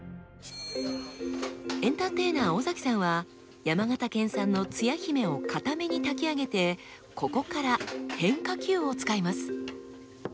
エンターテイナー尾崎さんは山形県産のつや姫をかために炊き上げてここから変化球を使います。